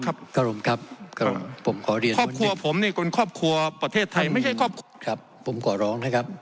กรมครับผมขอเรียนครับผมก่อร้องนะครับ